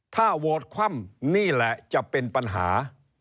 ถ้าโหวตคว่ำนี่แหละจะเป็นปัญหา